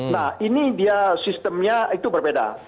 nah ini dia sistemnya itu berbeda